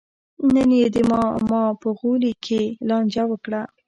نن یې د ماما په غولي کې لانجه وکړه.